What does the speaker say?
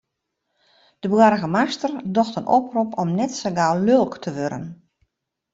De boargemaster docht in oprop om net sa gau lulk te wurden.